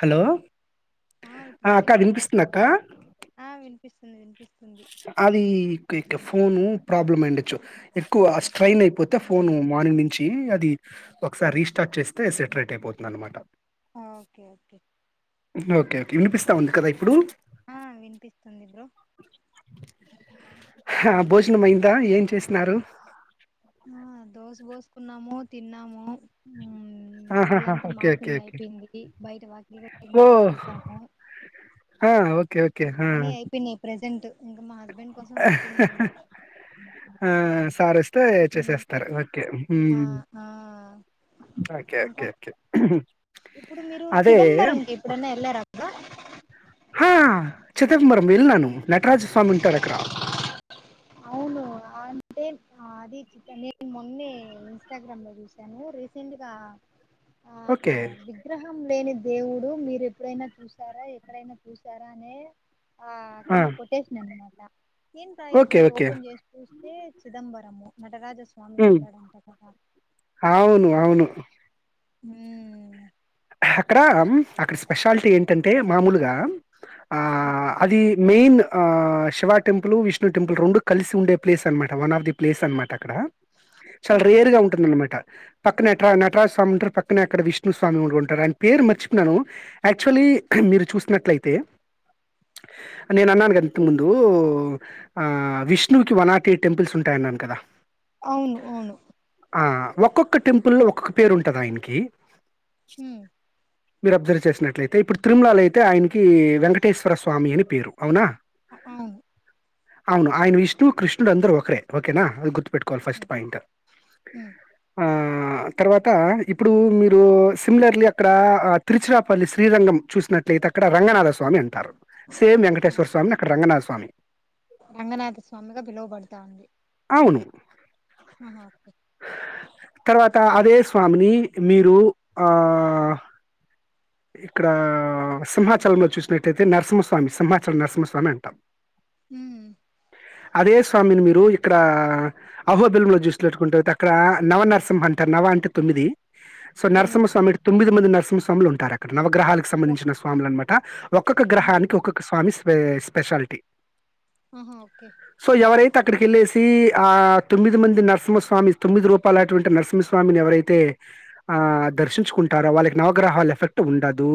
Hello ఇప్పుడు ఆ అక్క ఓకేనా బ్రో వినిపిస్తుందా అక్క ఆ వినిపిస్తుంది వినిపిస్తుంది అది ఇక ఇక ఫోను ప్రాబ్లమ్ అయిండొచ్చు ఎక్కువ ఆ స్ట్రైయిన్ అయిపోతే ఫోను మార్నింగ్ నుంచి అది ఒకసారి రీస్టార్ట్ చేస్తే సెట్ రైట్ అయిపోతుంది అనమాట ఆ ఒకే ఒకే ఓకే ఓకే వినిపిస్తా ఉంది కదా ఇప్పుడు ఆ వినిపిస్తుంది బ్రో హా భోజనం అయిందా ఏం చేసినారు ఆ దోశ పోసుకున్నాము తిన్నాము ఉమ్, ఆహాహా ఇల్లంతా ఓకే ఓకే మాఫింగ్ ఓకే అయిపోయింది బయట వాకిలు కూడా ఓ ముగ్గేసాము ఆ ఓకే ఒకే ఆ ప్రజెంట్ ఇంకా మా హస్బెండ్ కోసం వెయిటింగ్ అనమాట ఆ సార్ ఓస్ స్తే చేసేస్తారు ఓకే ఉ ఆ ఆ ఓకే ఓకే ఇంకా ఓకే హ్మ్ ఇప్పుడు మీరు చిదంబరంకి ఎప్పుడనా వెళ్ళారా అక్క హా చిదంబరం వెళ్లినను నటరాజ స్వామి ఉంటారు అక్కడ అవును అంటే అది చిత నేను మొన్నే ఇన్స్టాగ్రామ్ లో చూసాను రీసెంట్గా ఆ ఓకే విగ్రహం లేనిద్ దేవుడు మీరు ఎప్పుడైనా చూసారా ఎక్కడైనా చూసారా అనే ఆ కింద కొటేషన్ అన్నమాట ఎంద్ర ఓకే. ఇది ఓకే. ఓపెన్ చేసి చూస్తే చిదంబరము నటరాజ స్వామి హ్మ్ ఉంటాడంట కదా ఆవును అవును ఊ హ అక్కడ అక్కడ స్పెషాలిటీ ఏంటంటే మామూలుగా ఆ అక్- అది మెయిన్ ఆ శివ టెంపులు విష్ణు టెంపులు రెండు కలిసి ఉండే ప్లేస్ అనమాట వన్ ఆఫ్ ది ప్లేస్ అనమాట అక్కడ ఆ చాలా రేర్ గా ఉంటుంది అన్నమాట పక్కన నట్రా నటరాజ స్వామి ఉంటారు పక్కనే అక్కడ విష్ణుస్వామి కూడా ఉం టాది అయిన పేరు మర్చిపోయాను యాక్చువల్లీ మీరు చూసినట్లయితే నేను అన్నాను కదా ఇంతకు ముందు ఆ విష్ణువికి వన్నాట్ ఎయిట్ టెంపుల్స్ ఉంటాయ నన్ కదా అవును అవును ఆ ఒక్కొక్క టెంపులో ఒక్కొక్క పేరు ఉంటది ఆయనకి ఉమ్ మీరు అబ్జర్వ్ చేసినట్లయితే ఇప్పుడు తిరుమలాలో అయితే ఆయనకి వెంకటేశ్వర స్వామి అని పేరు అవునా అ అవును అవును ఆయన విష్ణు కృష్ణుడు అందరు ఒకరే ఒకేనా అది గుర్తు పెట్టు కోవాలి ఫస్ట్ పాయింట్ ఆ ఉమ్ ఆ తర్వాత ఇప్పుడు మీరు సిమిలర్లీ అక్కడ తీరాచరపల్లి శ్రీరంగం చూసినట్లయితే అక్కడ రంగనాథ స్వా స్వామి అంటారు సేమ్ ఆ వెంకటేశ్వర స్వామి నీ అక్కడ రంగనాథ స్వామి రంగనాథ స్వామిగా పిలువబడుతా ఉంది అవును ఆహ ఒకే తర్వాత అదే స్వామిని మీరు ఆ ఇక్కడా సింహాచలంలో చూస్తునటైతే నరసింహస్వామి సింహాచలం నరసింహస్వామి అంటాం మ్ అదే స్వామిని మీరు ఇక్కడ అహోబిలం లో చూసినట్టుకుంటైతే అక్కడ నవనర్సింహా అంట నవ అంటే తొమ్మిది సొ తొమ్మిది నరసింహస్వామి అంటే తొమ్మిది మంది నరసింహస్వాములు ఉంటారు అక్కడ నవగ్రహాలకు ఒక్- సంబంధించిన స్వాములు అనమాట ఒక్కొక్క ఆహా గ్రహానికి ఒక్కొక్క స్వామి స్పె స్పెషాలిటి ఆహా ఓకే త్ అక్కడికెళ్ళేసి ఆ తొమ్మిది మంది నరసింహస్వామి తొమ్మిది రూపాలటువంటి నరసింహస్వామిని ఎవరైతే ఆ దర్శించుకుంటారో వాళ్ళకి నవగ్రహాలు ఎఫెక్ట్ ఉండదూ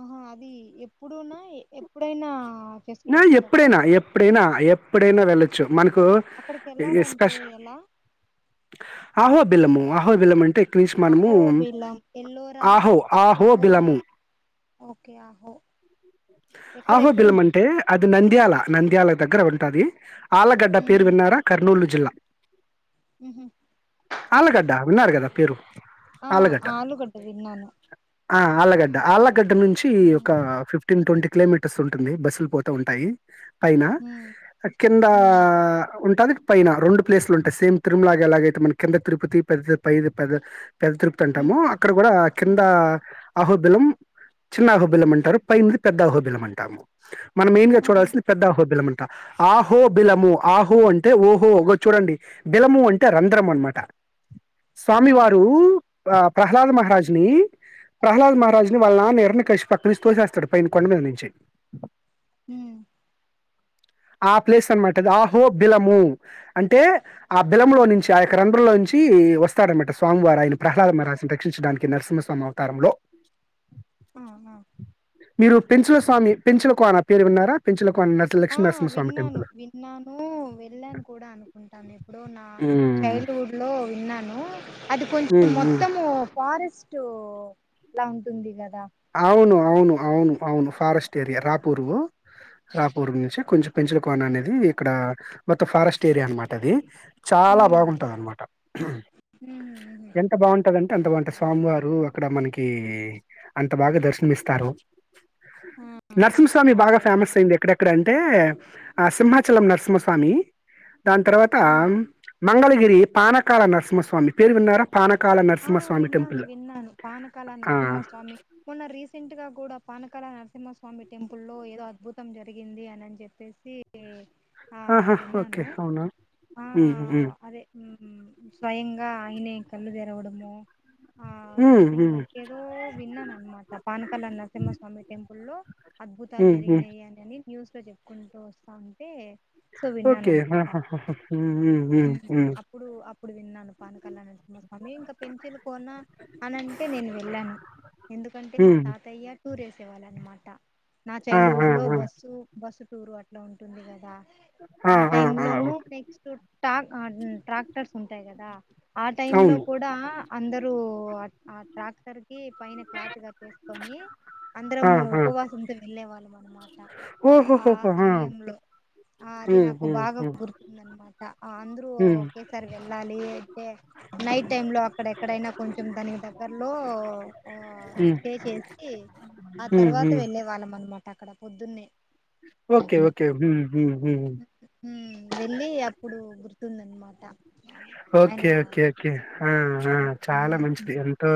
ఆహా అది ఎప్పుడునా ఎ ఎప్పుడైనా నా చేసుకోవచ్చా బ్రో ఎప్పుడైనా ఎప్పుడైనా ఎప్పుడైనా వెళ్ళొచ్చు మనకు అక్కడికి వెళ్ళాలంటే ఎస్కష్ ఎలా అహోబిలము అహోబిలం అంటె అహోబిల్లం ఎల్లో రా ఆహో అహోరా ఆహోబిలము ఓకే ఆహొ అహో బిలమ్మంటే అది నంద్యాల నంద్యా ల దగ్గర ఉంటాది ఆళగడ్డ పేరు ఉమ్ విన్నారా కర్నూలు జిల్లా ఉహు ఆళగడ్డ విన్నారు గదా పేరు ఆ ఆలగడ్డ ఆలు గడ్ ఆ ఆళ్లగడ్డ ఆళ్లగడ్డ నుంచి ఒక ఉమ్ ఫిఫ్టీ న్ ట్వంటీ కిలోమీటర్స్ ఉంటుంది బస్సులు పోతా ఉంటాయి పైనా ఉమ్ కిందా ఉమ్ ఉన్ టది పైనా రెండు ప్లేస్లు ఉంటయ్ సేమ్ తిరుమలాగా ఎలాగైతే మనకి కింద తిరుపతి పెది పైది పెద్ద పెద్ద తిరుపతి ఉమ్ అంటామో అక్కడ గూడా కింద అవును అహోబిళం చిన్న ఆహోబిలం అంటారు పై ఉన్నది పెద్ద ఆహోబిలం అంటాము మనం మెయిన్ గా ఆహా చూడాల్సింది పెద్ద ఆహోబిలం అన్ ట ఆహో బిలము ఆహో అంటే ఓహో ఒగ చూడండి బిలము అంటే రంధ్రము అనమాట స్వామి ఆ వారూ ఆ ప్రహ్లాద మహారాజ్ ని ప్రహ్లాద్ మహారాజు ని వాళ్ళ నాన్న హిరణ్యాకాశిపు అక్కనుంచి తోసేస్తాడు పైన కొండ మీద నుంచి మ్ ఆ ప్లేస్ అనమాటిది ఆహో బిలము అంటే ఆ బిలము లో నుంచి ఆ యొక్క రంధ్రులోంచి కి వస్తాడనమాట స్వామివారు ఆయన ప్రహ్లాద మహరాజ్ ని రక్షించడానికి నరసింహస్వామి అవతారంలో ఆ ఆ మీరు పెంచుల స్వామి పెంచులకు అనా పేరు విన్నారా పెంచులకు ఆ విన్నాను విన్నాను వెళ్ళాను కూడా అనుకుంటాను ఎప్పుడో నా హ్మ్. చైల్డ్ ల్డ్ వుడ్ లో విన్నాను అది కొంచెం హ్మ్. హ్మ్. మొత్తము ఫారెస్టు లా ఉంటుంది గ అవును అవును అవును అవును ఫారెస్ట్ ఏరియా రాపూర్ రాపూర్వ్ నుంచి కొంచెం పెంచుల కోన అనేది ఇక్కడ మొత్తం ఫారెస్ట్ ఏరియా అనమాట అది చాలా ఉమ్ బాగుంటది అనమాట ఉహు ఎంత బావుంటదం టె అంత బావుంటది స్వామి వారు అక్కడ మనకి అంత బాగా దర్శనమిస్తారు ఉహు ఆ నరసింహస్వామి అదే బాగా అదే ఫేమస్ అయింది ఎక్కడెక్ క్కడంటే ఆ సింహాచలం నరసింహస్వామి దాని తర్వాతా ఆ మంగళగిరి పానకాల నరసింహస్వామి పేరు విన్నారా పానకాల ఆ నరసింహస్వామి విన్నాను టెంపుల్. విన్నాను పానకాల ఆ! నరసింహస్వామి మొన్న రీసెంట్ గా గూడ పానకాల నరసింహస్వామి టెంపుల్ లో ఏదో అద్భుతం జరిగింది అనన్ జేప్పే సీ ఆహా ఓకె అవునా ఆ ఉ ఉ అదే స్వయంగా ఆయనే కళ్ళు తెరవడము ఆ హ్మ్ సంథింగ్ హ్మ్ లైక్ ఏదో విన్నాననమాట పానకాల నరసింహస్వామి టెంపుల్లో అద్భుతాలు హ్మ్ హ్మ్ జరిగినాయనని న్యూస్ లో చెప్పుకుంటూ వస్తా ఉంటే సో విన్నాను ఓకె అనమాట హహహహ మ్ మ్ మ్ మ్ అప్పుడు అప్పుడు విన్నాను పానకాల నరసింహాస్వామి ఇంక పించులు కోన అనంటే నేను వెళ్ళాను ఎందుకంటే మా హ్మ్. తాతయ్య టూర్ వేసేవాళ్ళ అన్నమాట నా ఆ! చైల్డ్ ఆ! హుడ్ లో బస్సు బస్సు టూర్ అట్లా ఉంటుండే కదా ఆ టైమ్ లోనూ నెక్స్ట్ టాక్ ట్రాక్టర్స్ ఉంటాయి గదా ఆ టైమ్ లో అవును. కూడా అందరరూ ఆ ట్రాక్టర్ పైన క్లాత్ గాట్టేసుకొని ఆ! అందరము ఆ! ఉపవాసంతో వెళ్ళే వాళ్ళం అనమాట ఆ సమయంలో ఆ అది హ్మ్. నాకు హ్మ్. బాగా హ్మ్. గుర్తుందన్నమా అందరూ హ్మ్. ఒకేసారి వెళ్ళాలి అంటే నైట్ టైమ్ లో అక్కడ ఎక్కడైనా కొంచెం దానికి దగ్గరలో ఆ హ్మ్. స్టే చేసి ఆ హ్మ్. తర్వాత హ్మ్. వెళ్ళే వాళ్ళం అనమాట అక్కడ పొద్దున్నే ఓకే ఓకే మ్ మ్ ఉంటూందనమాట ఓకే ఓకే ఓకే ఆ ఆ చాలా మంచిది ఎంతో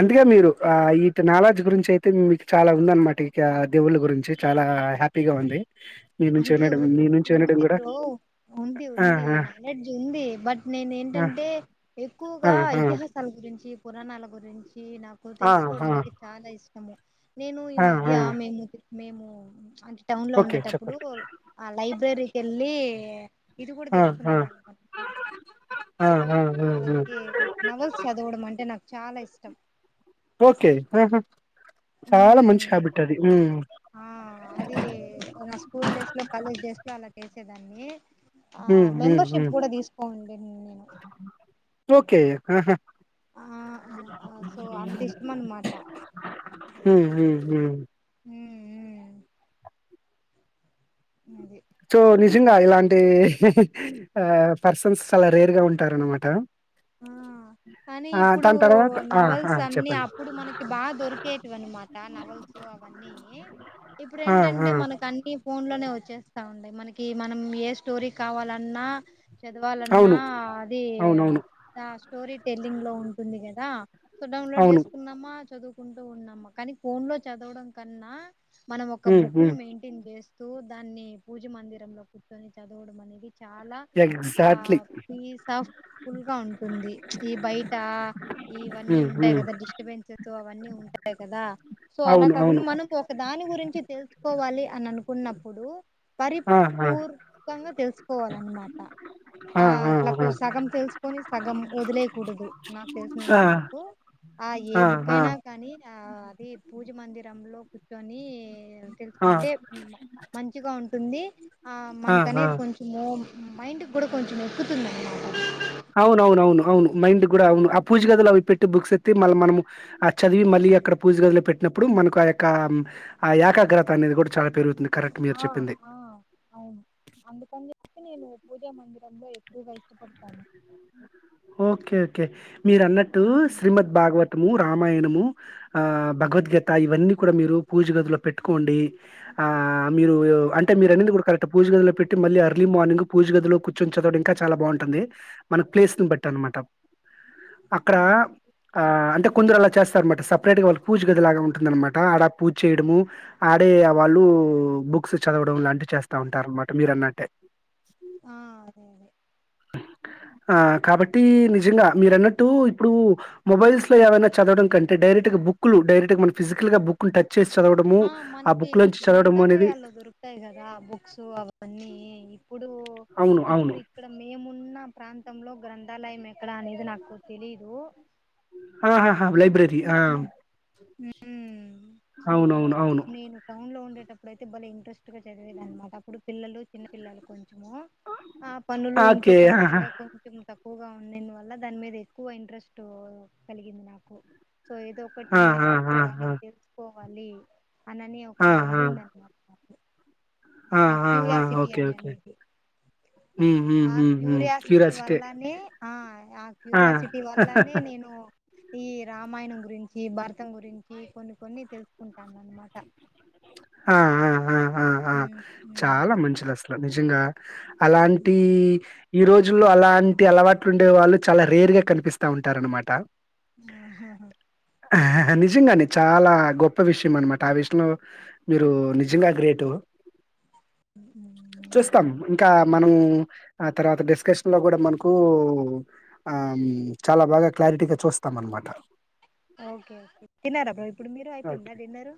అందుకే మీరు ఆ ఇ నాలడ్జ్ గురించి అయితే మీకు చాలా ఉందన్నమాట ఇక దేవుళ్ళ గురించి చాలా ఆ హ్యాపీగా ఉంది మీ నుంచి అంటే వినడం ఉం మీ నుంచి వినడం ఉంది గూడా. బ్రో ఉంది ఆ! ఉంది ఆ! నాలెడ్జ్ ఉంది బట్ నేను ఏంటంటే ఆ! ఆ! ఎక్కువగా ఇతిహాసాలు గురించి పురాణాల గురించి నాకు ఆ! ఆ! ఆ! తెలుసుకోవడమంటే చాలా ఇష్టము నేను ఈ ఆ మధ్య ఆ మేము మేము అంటే టౌన్ లో ఓకే ఉండేటప్పుడు చెప్పండి ఆ లైఫ్ని లైబ్రరికి వెళ్ళి ఇది కూడా ఆ తెచ్చుకునే ఆ వాళ్ళం గ ఆ ఆ ఆ ఆ కే నవల్స్ చదవడం అంటే నాకు చాలా ఇష్టం ఓకే ఆహా చాలా ఉమ్ మంచి హ్యాబిట్ అది ఉం ఆ అది నా స్కూల్ డేస్ లో కాలేజ్ డేస్ లో అలా చేసేదాన్ని ఆ హ్మ్ హ్మ్ మెంబర్షిప్ హ్మ్ కూడా తీసుకోండి నేన్ ఓకే ఉహ్ ఆ సో అంత ఇష్టం అన్నమాట ఊహు ఉమ్ ఉమ్ ఉమ్ మరి సో నిజంగా ఇలాంటి ఇహిహి ఆ పర్సన్స్ చాలా రేర్ గా ఉంటారు అనమాట ఆ కానీ ఇప్పుడు తర్వాత ఆ! ఆ! నవల్స్ అన్ని చెప్పండి. అప్పుడు మనకి బాగా దొరికేటివి అనమాట నవల్స్ అవన్నీ ఇప్పుడు ఆ! ఆ! ఏంటంటే మనకు అన్ని ఫోన్ లోనే వచ్ చేస్తా ఉండయ్ మనకి మనం ఏ స్టోరీ కావాలన్నా చదవాలన్నా అవును. అది అవునవును. ఆ స్టోరీ టెల్లింగ్ లో ఉంటుంది కదా సో డౌన్లోడ్ అవును. చేసుకున్నామా చదువుకుంటూన్నామా కానీ ఫోన్ లో చదవడం కన్నా మనం ఒక హ్మ్. బుక్ ని హ్మ్. మెయింటైన్ చేస్తూ దాన్ని పూజ మందిరంలో కూర్చొని చదవడం అనేది చాలా ఆ ఎగ్జాక్ట్‌లీ. పీస్ అఫ్ ఫుల్ గా ఉంటుంది ఈ బయట ఇవన్నీ హ్మ్. ఉంటాయి హ్మ్. గదా డిస్టబెన్స్ సో అవన్నీ ఉంటాయి కదా సో అలా అవును. కాకుండా అవును. మనం ఒక దాని గురించి తెలుసుకోవాలి అన్ని అనుకున్నప్పుడు ఆ! ఆ! పరిపూర్వంగా తెలుసుకోవాలన్నమాట ఆ! అ ఆ! అట్లాలకు సగం తెలుసు కొని సగం వదిలేయకూడదు నాకు తెలిసినంత ఆ! ఆ! వరకు ఆ ఏ బుక్ అయినా కానీ ఆ అది పూజమందిరంలో కూర్చుని ఆ! తెలుసుకుంటే మంచిగా ఉంటుంది ఆ మనక అనేది కొంచూము మైండ్ కి కూడా కొంచెం ఎక్కుతుందన్నమాట అవునఅవును అవును అవును మైండ్ గూడా అవును ఆ పూజ గదులు అవి పెట్టి బుక్స్ ఎత్తే మళ్ళీ మనం ఆ చదివి మళ్ళీ అక్కడ పూజ గదిలో పెట్టినప్పుడు మనకు ఆ యొక్క ఆ యాకాగ్రత అనేది కూడా చాలా పెరుగుతుంది కరెక్ట్ మీరు ఆ చెప్పింది ఆ అవును అందకని చెప్పి నేను పూజమందిర్ డంలో ఎక్కువ కష్టపడతాము ఓకే ఓకే మీరు అన్నట్టు ఉమ్, శ్రీమద్ భాగవతము రామాయణము ఆ భగవద్గీత ఇవన్నీ కూడా మీరు పూజ గదిలో పెట్టుకోండి ఆ ఆ మీరు అంటే మీరు అన్నింది కూడా కరెక్ట్ పూజ గదిలో పెట్టి మళ్ళీ అర్లీ మార్నింగ్ పూజ గదిలో కూర్చొని చదవడం ఇంకా చాల బాగ బాగుంటుంది మన ప్లేస్ ను బట్టి అనమాట అక్కడ ఆ ఆ అంటే కొందరు అలా చేస్తారన్నమాట సపరేట్ గా వాళ్ళు పూజ గదిలాగా ఉంటుందనమాట ఆడ పూజ చేయడము ఆడే వాళ్ళు ఉ బుక్స్ చదవడం లాంటివి చేస్తా ఉంటారు అనమాట మీరన్నట్టే ఆ అదే అదే ఆ కాబట్టి ఉమ్, నిజంగా మీరన్నట్టు ఇప్పుడు మొబైల్స్ లో ఏవైనా చదడం కంటే డైరెక్ట్గా బుక్లు డైరెక్ట్గా మన ఫిజికల్ గ బుక్లు టచ్ చేసి చదవడము ఆ మనకి బుక్ లోంచి చదవడము అనేది గ్రంథాలయాల్లో దొరుకుతాయి గదా బుక్స్ అవన్నీ ఇప్పుడు అవును కు అవును ఇప్పుడు ఇక్కడ మేమున్న ప్రాంతంలో గ్రంథాలయం ఎక్కడ అనేది నాకు తెలీదు ఆహహ లైబ్రరీ ఆ ఉ సో అవునవును అవును అవును నేను టౌన్ లో ఉండే టప్పుడఐతే బలే ఇంట్రెస్ట్గాచదివేది అనమాట అప్పుడు పిల్లలు చిన్న పల్లలు కొం చము ఆ పనులు ఇంట్లో ఓకే పనులు ఆహా కూడా కొంచెం తక్కువగా ఉండిని వల్ల దాని మీద ఎక్కువ ఇంట్రెస్ట్ కలిగింది నాకు సో ఏదో ఒకటి ఆ ఆ ఆ నేర్చుకోవాలి తెలుసుకోవాలి అనని ఒక ఆ ఆ ఇది ఉందనిమాట ఆ క్యూరియాసిటీ అననేది ఉ హు హు హు క్యూరియాసిటె వల్లనే ఆ ఆ క్యూరియాసిటీ వల్లనే నేను ఈ రామాయణం గురించి భరతం గురించి కొన్ని కొన్ని తెలుసుకుంటాను అన్నమాట ఆ ఆ ఆ అ హ్మ్ హ్మ్ చాలా అది మంచిది అసలు నిజంగా అలాంటి ఈ రోజుల్లో అలాంటి అలవాట్లు ఉండే వాళ్ళు చాలా రేరుగా కనిపిస్తా ఉంటారనమాట ఆహాహ నిజంగానే చాలా గొప్ప విషయం అనమాట ఆ విషయంలో మీరు నిజంగా గ్రేటు ఉమ్ ఉమ్ మరి చూస్తాం అది ఇంకా మనం ఆ తర్వాత డిస్కషన్ లో కూడా మనకు ఆ చాలా బాగా క్లారిటీగా చూస్ తమ్ అనమాట ఓకే ఓకే తిన్నారా బ్రో ఇప్పుడు మీరు ఓకే. అయిపోయిందా డిన్నరు